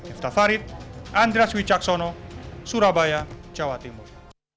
iftah farid andras wicaksono surabaya jawa timur